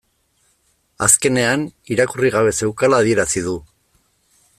Azkenean irakurri gabe zeukala adierazi du